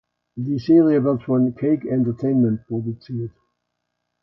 Die Serie wird von Cake Entertainment produziert.